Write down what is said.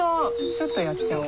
ちょっとやっちゃおう。